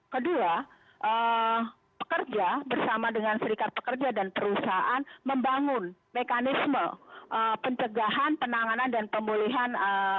kedua pekerja bersama dengan serikat pekerja dan perusahaan membangun mekanisme pencegahan penanganan dan pemulihan